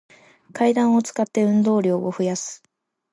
階段を使って、運動量を増やす